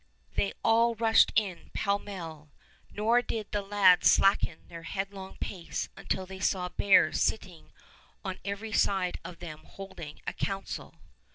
They all rushed in pell mell; nor did the lads slacken their headlong pace until they saw bears sitting on every side of them holding a council.